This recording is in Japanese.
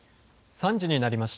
３時になりました。